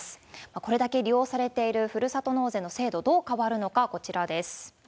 これだけ利用されているふるさと納税の制度、どう変わるのか、こちらです。